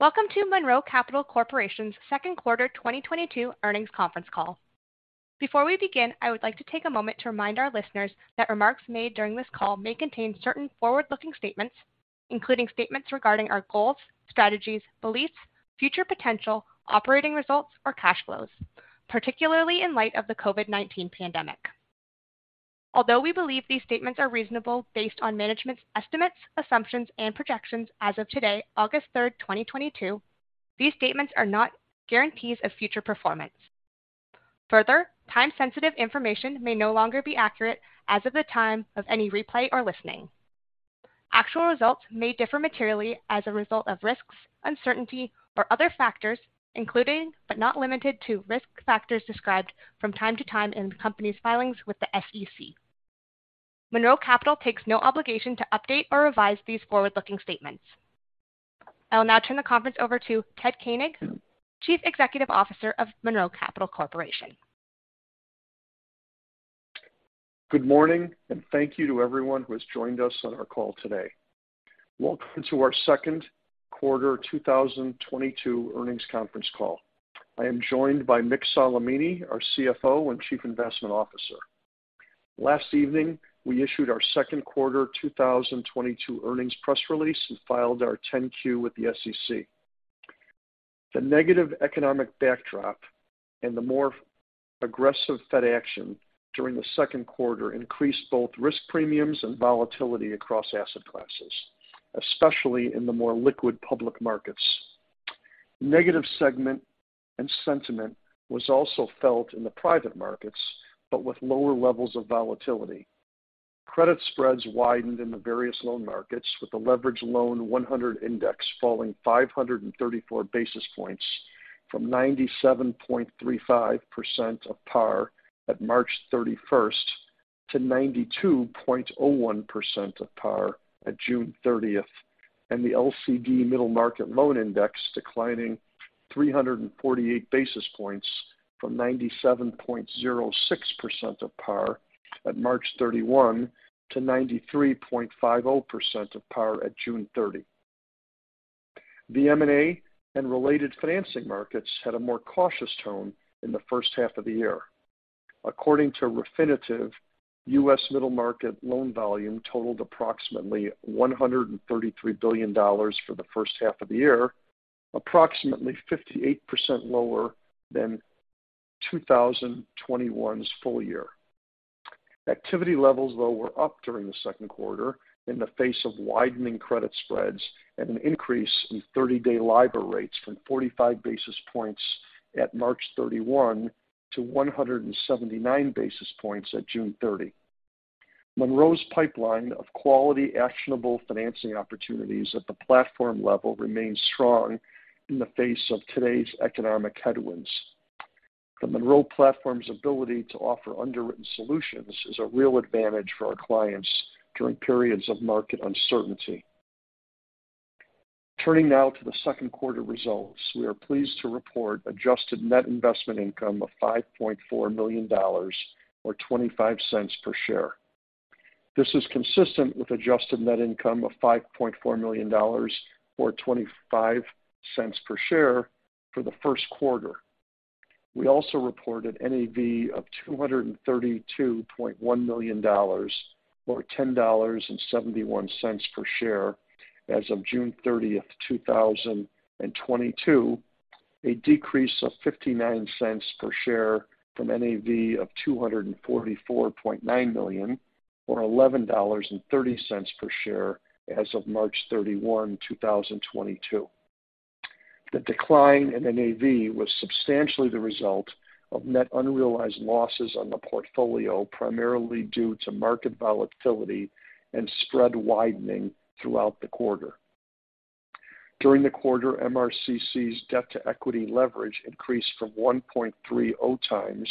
Welcome to Monroe Capital Corporation's second quarter 2022 earnings conference call. Before we begin, I would like to take a moment to remind our listeners that remarks made during this call may contain certain forward-looking statements, including statements regarding our goals, strategies, beliefs, future potential, operating results, or cash flows, particularly in light of the COVID-19 pandemic. Although we believe these statements are reasonable based on management's estimates, assumptions, and projections as of today, August 3rd, 2022, these statements are not guarantees of future performance. Further, time-sensitive information may no longer be accurate as of the time of any replay or listening. Actual results may differ materially as a result of risks, uncertainty, or other factors, including, but not limited to, risk factors described from time to time in the company's filings with the SEC. Monroe Capital takes no obligation to update or revise these forward-looking statements. I will now turn the conference over to Ted Koenig, Chief Executive Officer of Monroe Capital Corporation. Good morning, and thank you to everyone who has joined us on our call today. Welcome to our second quarter 2022 earnings conference call. I am joined by Mick Solimene, our CFO and Chief Investment Officer. Last evening, we issued our second quarter 2022 earnings press release and filed our 10-Q with the SEC. The negative economic backdrop and the more aggressive Fed action during the second quarter increased both risk premiums and volatility across asset classes, especially in the more liquid public markets. Negative sentiment was also felt in the private markets, but with lower levels of volatility. Credit spreads widened in the various loan markets, with the Leveraged Loan 100 Index falling 534 basis points from 97.35% of par at March 31st to 92.01% of par at June 30th, and the LCD Middle Market Loan Index declining 348 basis points from 97.06% of par at March 31st to 93.50% of par at June 30th. The M&A and related financing markets had a more cautious tone in the first half of the year. According to Refinitiv, U.S. middle market loan volume totaled approximately $133 billion for the first half of the year, approximately 58% lower than 2021's full year. Activity levels, though, were up during the second quarter in the face of widening credit spreads and an increase in 30-day LIBOR rates from 45 basis points at March 31st to 179 basis points at June 30th. Monroe's pipeline of quality, actionable financing opportunities at the platform level remains strong in the face of today's economic headwinds. The Monroe platform's ability to offer underwritten solutions is a real advantage for our clients during periods of market uncertainty. Turning now to the second quarter results, we are pleased to report adjusted net investment income of $5.4 million or $0.25 per share. This is consistent with adjusted net income of $5.4 million or $0.25 per share for the first quarter. We also reported NAV of $232.1 million or $10.71 per share as of June 30th, 2022, a decrease of 59 cents per share from NAV of $244.9 million or $11.30 per share as of March 31st, 2022. The decline in NAV was substantially the result of net unrealized losses on the portfolio, primarily due to market volatility and spread widening throughout the quarter. During the quarter, MRCC's debt-to-equity leverage increased from 1.30x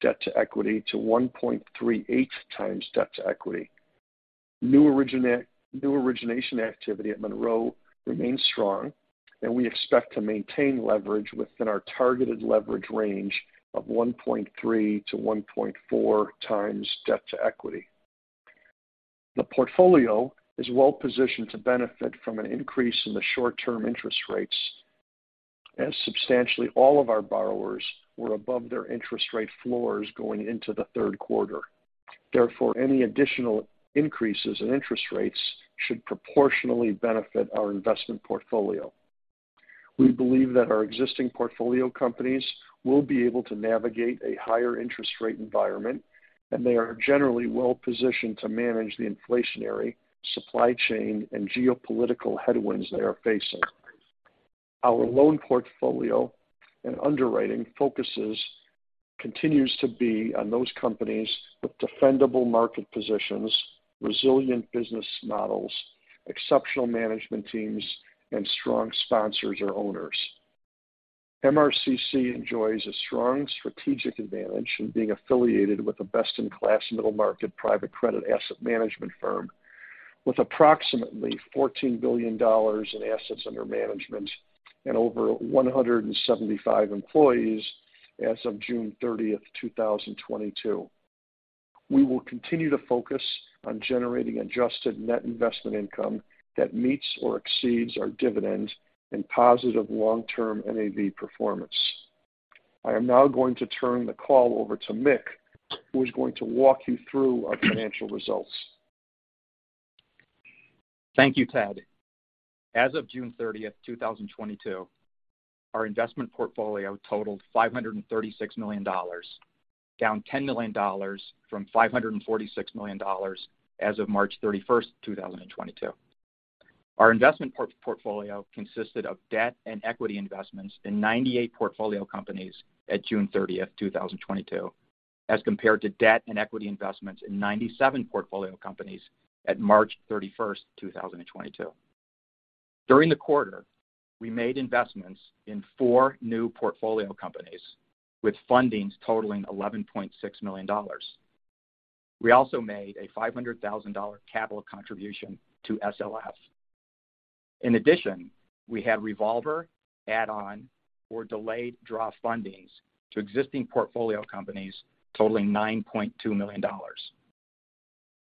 debt to equity to 1.38x debt to equity. New origination activity at Monroe remains strong, and we expect to maintain leverage within our targeted leverage range of 1.3x-1.4x debt to equity. The portfolio is well positioned to benefit from an increase in the short-term interest rates, as substantially all of our borrowers were above their interest rate floors going into the third quarter. Therefore, any additional increases in interest rates should proportionally benefit our investment portfolio. We believe that our existing portfolio companies will be able to navigate a higher interest rate environment, and they are generally well-positioned to manage the inflationary supply chain and geopolitical headwinds they are facing. Our loan portfolio and underwriting focus continues to be on those companies with defendable market positions, resilient business models, exceptional management teams, and strong sponsors or owners. MRCC enjoys a strong strategic advantage in being affiliated with a best-in-class middle market private credit asset management firm with approximately $14 billion in assets under management and over 175 employees as of June 30th, 2022. We will continue to focus on generating adjusted net investment income that meets or exceeds our dividends and positive long-term NAV performance. I am now going to turn the call over to Mick, who is going to walk you through our financial results. Thank you, Ted. As of June 30th, two thousand and twenty-two, our investment portfolio totaled $536 million, down $10 million from $546 million as of March 31st, 2022. Our investment portfolio consisted of debt and equity investments in 98 portfolio companies at June 30th, 2022 as compared to debt and equity investments in 97 portfolio companies at March 31st, 2022. During the quarter, we made investments in four new portfolio companies with fundings totaling $11.6 million. We also made a $500,000 capital contribution to SLF. In addition, we had revolver add on or delayed draw fundings to existing portfolio companies totaling $9.2 million.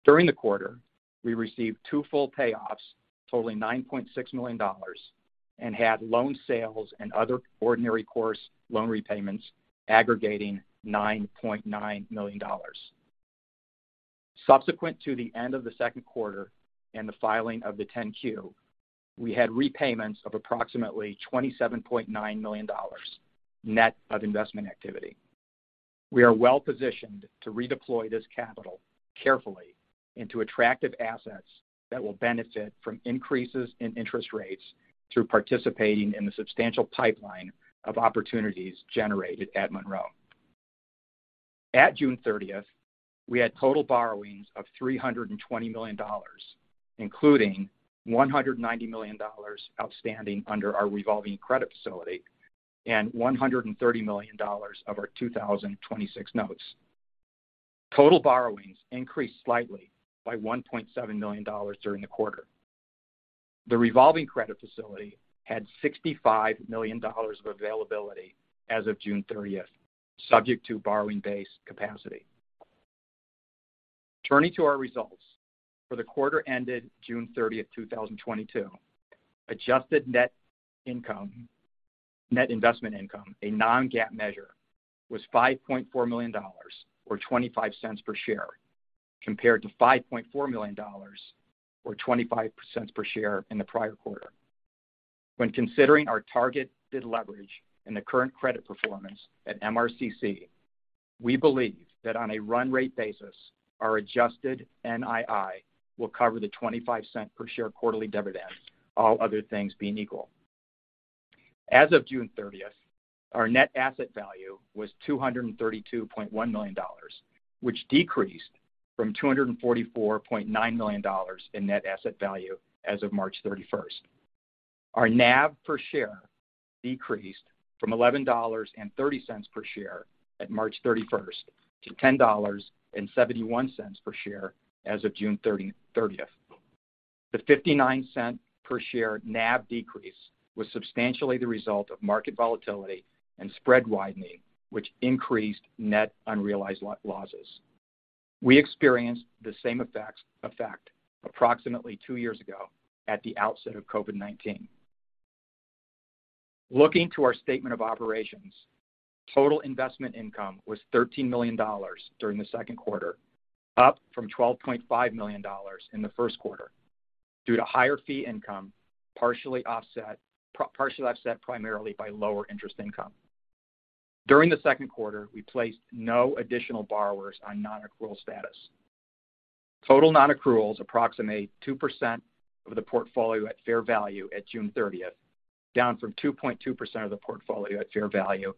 During the quarter, we received two full payoffs totaling $9.6 million and had loan sales and other ordinary course loan repayments aggregating $9.9 million. Subsequent to the end of the second quarter and the filing of the 10-Q, we had repayments of approximately $27.9 million, net of investment activity. We are well-positioned to redeploy this capital carefully into attractive assets that will benefit from increases in interest rates through participating in the substantial pipeline of opportunities generated at Monroe. At June 30th, we had total borrowings of $320 million, including $190 million outstanding under our revolving credit facility and $130 million of our 2026 Notes. Total borrowings increased slightly by $1.7 million during the quarter. The revolving credit facility had $65 million of availability as of June 30th, subject to borrowing base capacity. Turning to our results. For the quarter ended June 30th, 2022, adjusted net income, net investment income, a Non-GAAP measure, was $5.4 million or $0.25 per share, compared to $5.4 million or $0.25 per share in the prior quarter. When considering our targeted leverage and the current credit performance at MRCC, we believe that on a run rate basis, our adjusted NII will cover the 25 cent per share quarterly dividend, all other things being equal. As of June 30th, our net asset value was $232.1 million, which decreased from $244.9 million in net asset value as of March 31st. Our NAV per share decreased from $11.30 per share at March 31st to $10.71 per share as of June 30th. The $0.59 per share NAV decrease was substantially the result of market volatility and spread widening, which increased net unrealized losses. We experienced the same effects approximately two years ago at the outset of COVID-19. Looking to our statement of operations, total investment income was $13 million during the second quarter, up from $12.5 million in the first quarter due to higher fee income, partially offset primarily by lower interest income. During the second quarter, we placed no additional borrowers on nonaccrual status. Total nonaccruals approximate 2% of the portfolio at fair value at June 30th, down from 2.2% of the portfolio at fair value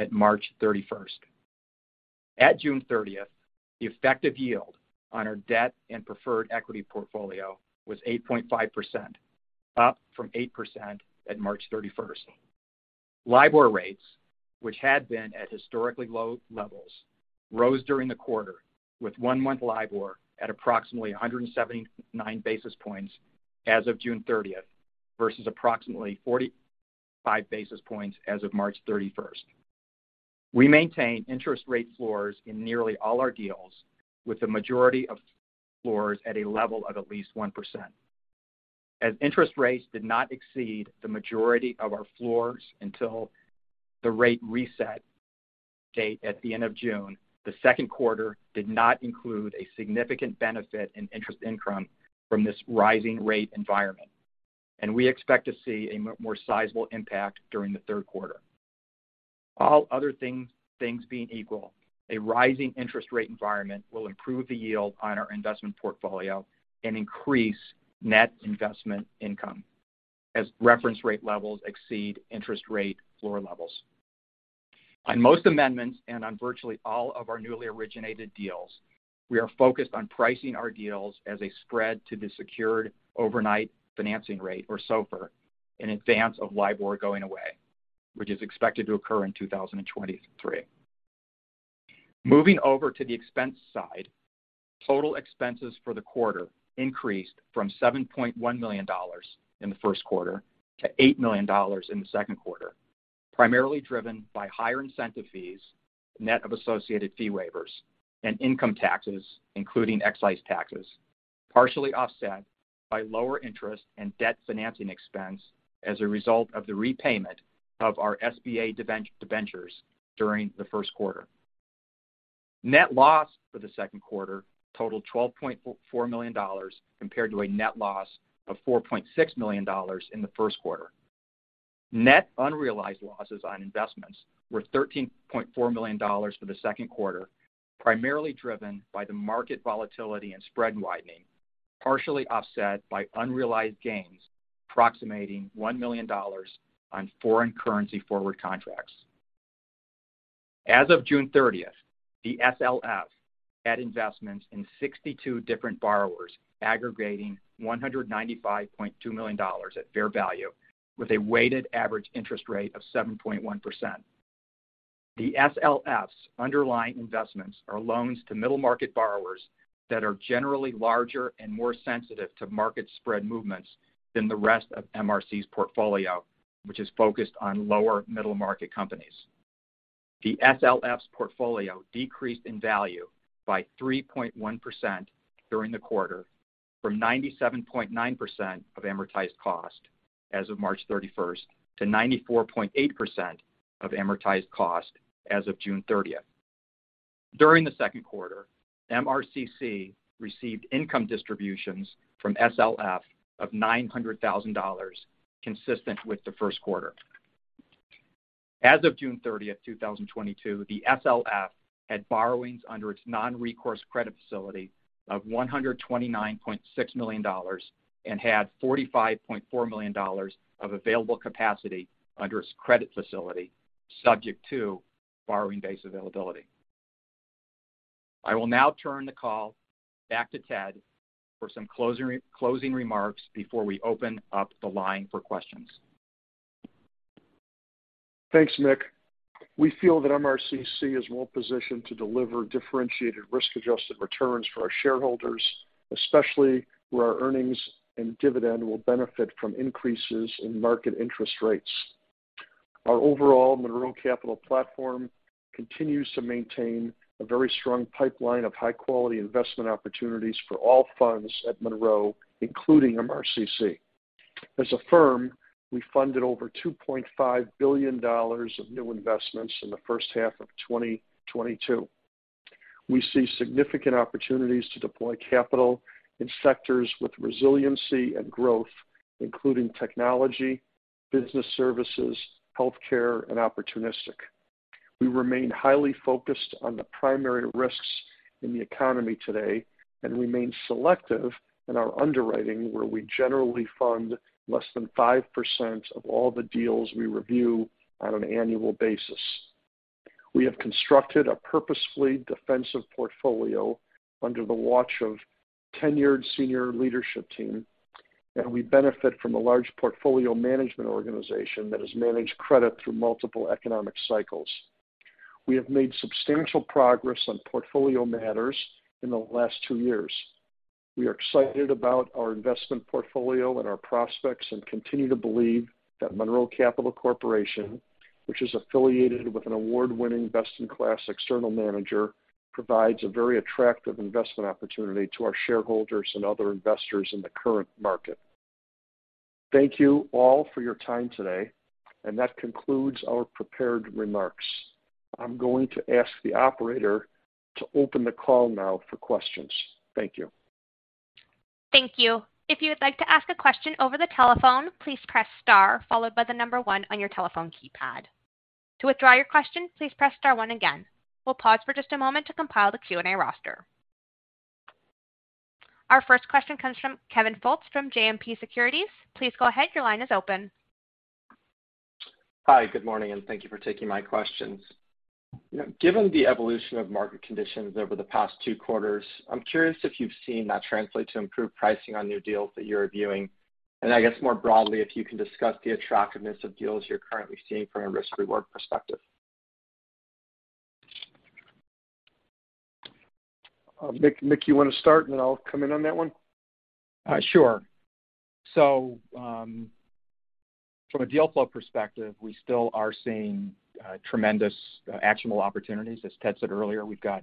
at March 31st. At June 30th, the effective yield on our debt and preferred equity portfolio was 8.5%, up from 8% at March 31st. LIBOR rates, which had been at historically low levels, rose during the quarter with one-month LIBOR at approximately 179 basis points as of June 30th versus approximately 45 basis points as of March 31st. We maintain interest rate floors in nearly all our deals with the majority of floors at a level of at least 1%. As interest rates did not exceed the majority of our floors until the rate reset date at the end of June, the second quarter did not include a significant benefit in interest income from this rising rate environment, and we expect to see a more sizable impact during the third quarter. All other things being equal, a rising interest rate environment will improve the yield on our investment portfolio and increase net investment income as reference rate levels exceed interest rate floor levels. On most amendments and on virtually all of our newly originated deals, we are focused on pricing our deals as a spread to the secured overnight financing rate, or SOFR, in advance of LIBOR going away, which is expected to occur in 2023. Moving over to the expense side, total expenses for the quarter increased from $7.1 million in the first quarter to $8 million in the second quarter. Primarily driven by higher incentive fees, net of associated fee waivers and income taxes, including excise taxes, partially offset by lower interest and debt financing expense as a result of the repayment of our SBA debentures during the first quarter. Net loss for the second quarter totaled $12.44 million compared to a net loss of $4.6 million in the first quarter. Net unrealized losses on investments were $13.4 million for the second quarter, primarily driven by the market volatility and spread widening, partially offset by unrealized gains approximating $1 million on foreign currency forward contracts. As of June 30th, the SLF had investments in 62 different borrowers aggregating $195.2 million at fair value, with a weighted average interest rate of 7.1%. The SLF's underlying investments are loans to middle-market borrowers that are generally larger and more sensitive to market spread movements than the rest of MRC's portfolio, which is focused on lower middle-market companies. The SLF's portfolio decreased in value by 3.1% during the quarter from 97.9% of amortized cost as of March 31st to 94.8% of amortized cost as of June 30th. During the second quarter, MRCC received income distributions from SLF of $900,000 consistent with the first quarter. As of June 30th, 2022, the SLF had borrowings under its non-recourse credit facility of $129.6 million and had $45.4 million of available capacity under its credit facility, subject to borrowing base availability. I will now turn the call back to Ted for some closing remarks before we open up the line for questions. Thanks, Mick. We feel that MRCC is well positioned to deliver differentiated risk-adjusted returns for our shareholders, especially where our earnings and dividend will benefit from increases in market interest rates. Our overall Monroe Capital platform continues to maintain a very strong pipeline of high-quality investment opportunities for all funds at Monroe, including MRCC. As a firm, we funded over $2.5 billion of new investments in the first half of 2022. We see significant opportunities to deploy capital in sectors with resiliency and growth, including technology, business services, healthcare, and opportunistic. We remain highly focused on the primary risks in the economy today and remain selective in our underwriting, where we generally fund less than 5% of all the deals we review on an annual basis. We have constructed a purposefully defensive portfolio under the watch of tenured senior leadership team, and we benefit from a large portfolio management organization that has managed credit through multiple economic cycles. We have made substantial progress on portfolio matters in the last two years. We are excited about our investment portfolio and our prospects, and continue to believe that Monroe Capital Corporation, which is affiliated with an award-winning, best-in-class external manager, provides a very attractive investment opportunity to our shareholders and other investors in the current market. Thank you all for your time today, and that concludes our prepared remarks. I'm going to ask the operator to open the call now for questions. Thank you. Thank you. If you would like to ask a question over the telephone, please press star followed by the number one on your telephone keypad. To withdraw your question, please press star one again. We'll pause for just a moment to compile the Q&A roster. Our first question comes from Kevin Fultz from JMP Securities. Please go ahead. Your line is open. Hi, good morning, and thank you for taking my questions. You know, given the evolution of market conditions over the past two quarters, I'm curious if you've seen that translate to improved pricing on new deals that you're reviewing. I guess more broadly, if you can discuss the attractiveness of deals you're currently seeing from a risk-reward perspective. Mick, you want to start, and then I'll come in on that one? Sure. From a deal flow perspective, we still are seeing tremendous actionable opportunities. As Ted said earlier, we've got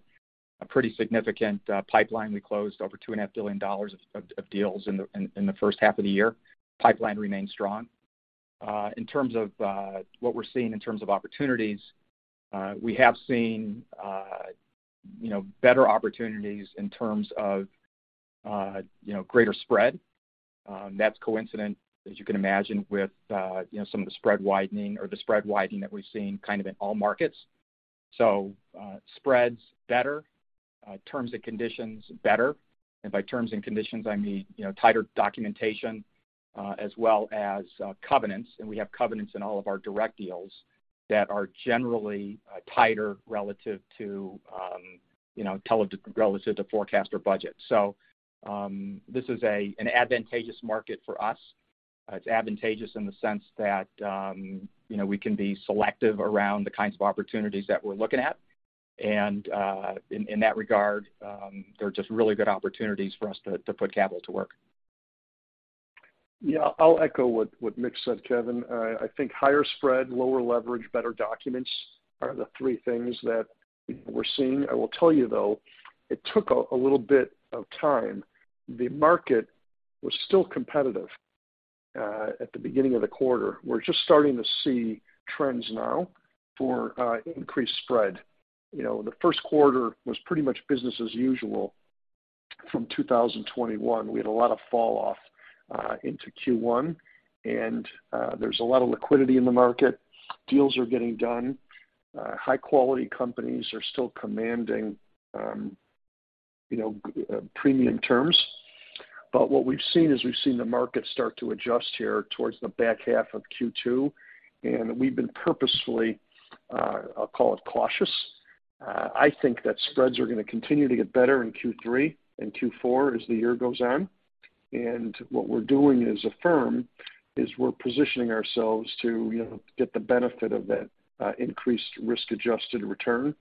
a pretty significant pipeline. We closed over $2.5 billion of deals in the first half of the year. Pipeline remains strong. In terms of what we're seeing in terms of opportunities, we have seen you know, better opportunities in terms of you know, greater spread. That's coincident, as you can imagine, with you know, some of the spread widening that we've seen kind of in all markets. Spread's better. Terms and conditions better. By terms and conditions, I mean you know, tighter documentation as well as covenants. We have covenants in all of our direct deals that are generally tighter relative to forecast or budget. This is an advantageous market for us. It's advantageous in the sense that, you know, we can be selective around the kinds of opportunities that we're looking at. In that regard, they're just really good opportunities for us to put capital to work. Yeah, I'll echo what Mick said, Kevin. I think higher spread, lower leverage, better documents are the three things that we're seeing. I will tell you, though, it took a little bit of time. The market was still competitive at the beginning of the quarter. We're just starting to see trends now for increased spread. You know, the first quarter was pretty much business as usual from 2021. We had a lot of fall off into Q1, and there's a lot of liquidity in the market. Deals are getting done. High-quality companies are still commanding, you know, premium terms. What we've seen is the market start to adjust here towards the back half of Q2, and we've been purposefully, I'll call it cautious. I think that spreads are gonna continue to get better in Q3 and Q4 as the year goes on. What we're doing as a firm is we're positioning ourselves to, you know, get the benefit of that, increased risk-adjusted return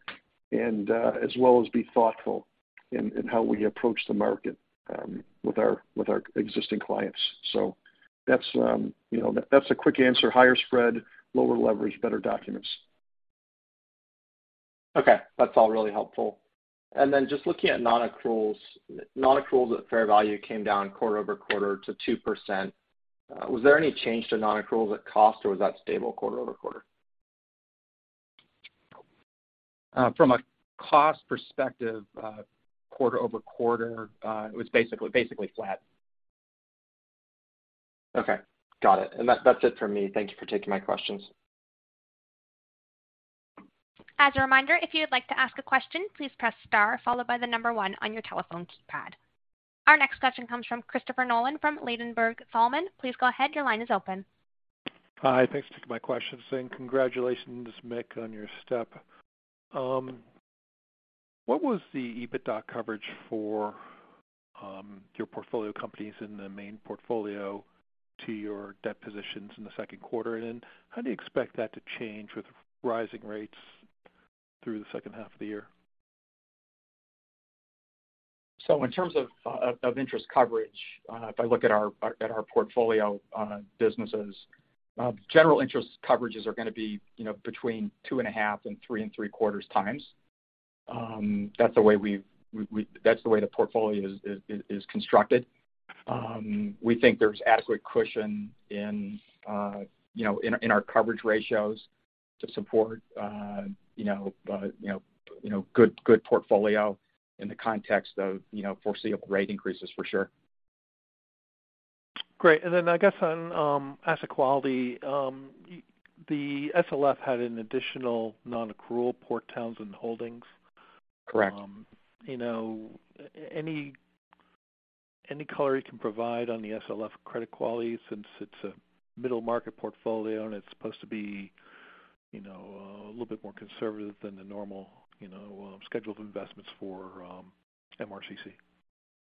and, as well as be thoughtful in how we approach the market, with our existing clients. That's, you know, that's a quick answer. Higher spread, lower leverage, better documents. Okay. That's all really helpful. Just looking at non-accruals. Non-accruals at fair value came down quarter-over-quarter to 2%. Was there any change to non-accruals at cost, or was that stable quarter-over-quarter? From a cost perspective, quarter-over-quarter, it was basically flat. Okay. Got it. That's it for me. Thank you for taking my questions. As a reminder, if you'd like to ask a question, please press star followed by the number one on your telephone keypad. Our next question comes from Christopher Nolan from Ladenburg Thalmann. Please go ahead. Your line is open. Hi. Thanks for taking my questions. Congratulations, Mick, on your step. What was the EBITDA coverage for your portfolio companies in the main portfolio to your debt positions in the second quarter? How do you expect that to change with rising rates through the second half of the year? In terms of interest coverage, if I look at our portfolio businesses, general interest coverages are gonna be, you know, between two point five and three point seventy-five times. That's the way the portfolio is constructed. We think there's adequate cushion in, you know, in our coverage ratios to support, you know, you know, you know, good portfolio in the context of, you know, foreseeable rate increases for sure. Great. I guess on asset quality. The SLF had an additional non-accrual, Port Townsend Holdings. Correct. You know, any color you can provide on the SLF credit quality since it's a middle-market portfolio, and it's supposed to be, you know, a little bit more conservative than the normal, you know, scheduled investments for MRCC?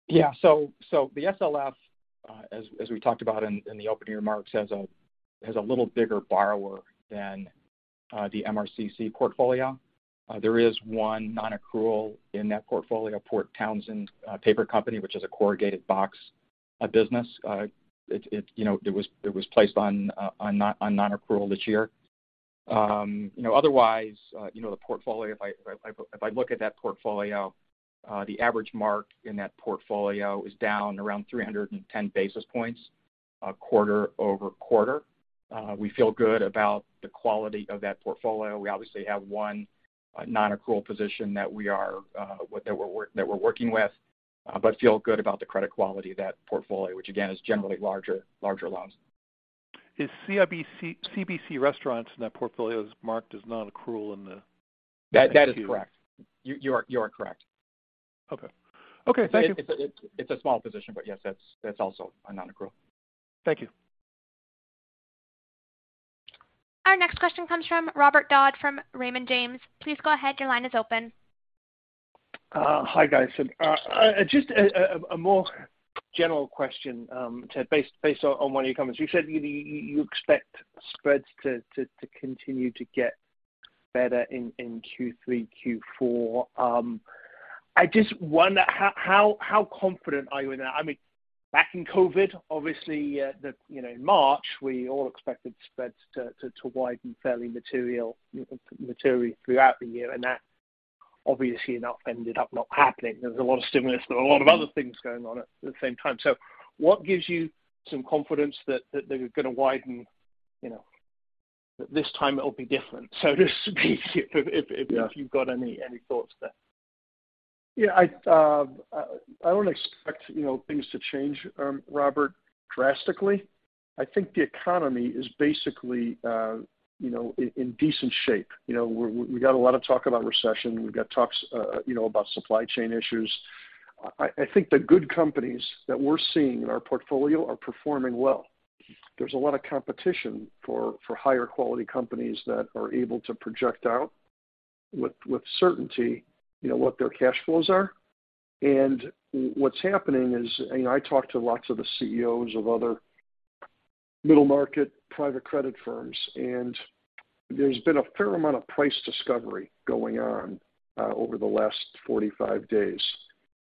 Yeah. The SLF, as we talked about in the opening remarks, has a little bigger borrower than the MRCC portfolio. There is one non-accrual in that portfolio, Port Townsend Paper Company, which is a corrugated box business. You know, it was placed on non-accrual this year. You know, otherwise, you know, the portfolio, if I look at that portfolio, the average mark in that portfolio is down around 310 basis points, quarter-over-quarter. We feel good about the quality of that portfolio. We obviously have one non-accrual position that we're working with, but feel good about the credit quality of that portfolio, which again is generally larger loans. Is CBC Restaurant in that portfolio is marked as non-accrual in the That is correct. You are correct. Okay. Thank you. It's a small position, but yes, that's also a non-accrual. Thank you. Our next question comes from Robert Dodd from Raymond James. Please go ahead. Your line is open. Hi, guys. Just a more general question, Ted, based on one of your comments. You said you expect spreads to continue to get better in Q3, Q4. I just wonder how confident are you in that? I mean, back in COVID, obviously, you know, in March, we all expected spreads to widen fairly materially throughout the year, and that obviously not ended up not happening. There was a lot of stimulus. There were a lot of other things going on at the same time. What gives you some confidence that they're gonna widen, you know, that this time it'll be different? Yeah If you've got any thoughts there. Yeah. I don't expect, you know, things to change, Robert, drastically. I think the economy is basically, you know, in decent shape. You know, we got a lot of talk about recession. We've got talks, you know, about supply chain issues. I think the good companies that we're seeing in our portfolio are performing well. There's a lot of competition for higher quality companies that are able to project out with certainty, you know, what their cash flows are. What's happening is, you know, I talk to lots of the CEOs of other middle market private credit firms. There's been a fair amount of price discovery going on over the last 45 days.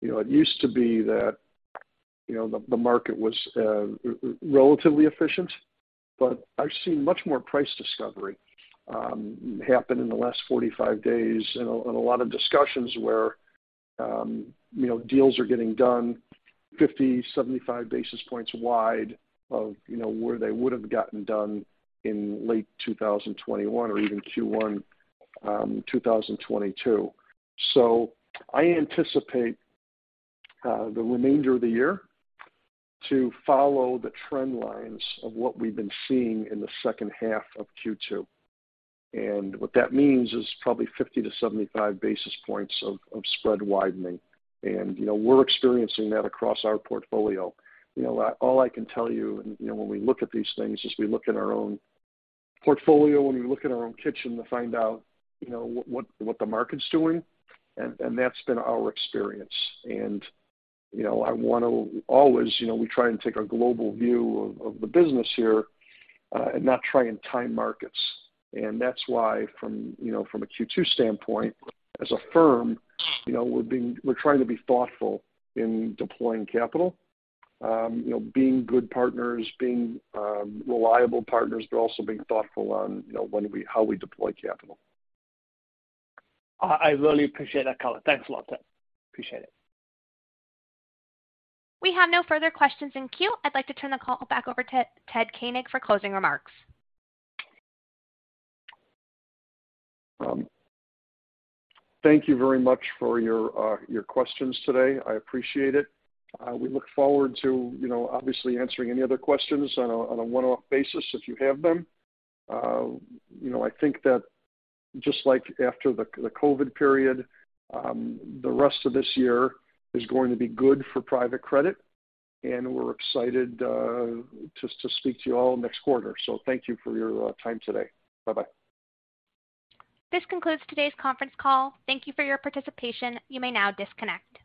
You know, it used to be that, you know, the market was relatively efficient, but I've seen much more price discovery happen in the last 45 days. A lot of discussions where, you know, deals are getting done 50, 75 basis points wide of, you know, where they would have gotten done in late 2021 or even Q1 2022. I anticipate the remainder of the year to follow the trend lines of what we've been seeing in the second half of Q2. What that means is probably 50-75 basis points of spread widening. You know, we're experiencing that across our portfolio. You know, all I can tell you, when we look at these things is we look at our own portfolio, and we look at our own kitchen to find out, you know, what the market's doing. That's been our experience. You know, I want to always, you know, we try and take a global view of the business here, and not try and time markets. That's why from a Q2 standpoint, as a firm, you know, we're trying to be thoughtful in deploying capital. You know, being good partners, being reliable partners, but also being thoughtful on, you know, how we deploy capital. I really appreciate that colour. Thanks a lot. Appreciate it. We have no further questions in queue. I'd like to turn the call back over to Ted Koenig for closing remarks. Thank you very much for your questions today. I appreciate it. We look forward to, you know, obviously answering any other questions on a one-off basis if you have them. You know, I think that just like after the COVID period, the rest of this year is going to be good for private credit, and we're excited just to speak to you all next quarter. Thank you for your time today. Bye-bye. This concludes today's conference call. Thank you for your participation. You may now disconnect.